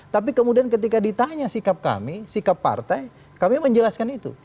tapi kemudian ketika ditanya sikap kami sikap partai kami menjelaskan itu